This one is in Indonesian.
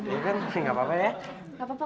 iya kan nggak apa apa ya